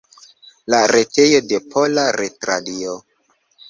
La retejo de Pola Retradio.